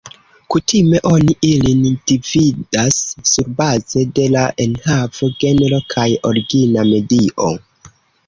Kutime oni ilin dividas surbaze de la enhavo, genro kaj origina medio.